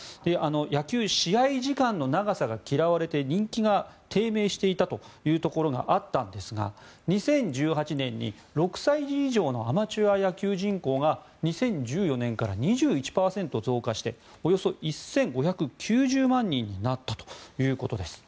野球、試合時間の長さが嫌われて人気が低迷していたところがあったんですが２０１８年に、６歳児以上のアマチュア野球人口が２０１４年から２１％増加しておよそ１５９０万人になったということです。